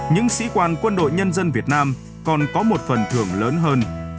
những sĩ quan quân đội nhân dân việt nam còn có một phần thưởng lớn hơn